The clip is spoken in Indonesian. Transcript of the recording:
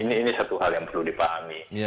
ini satu hal yang perlu dipahami